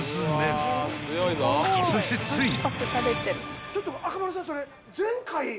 ［そしてついに］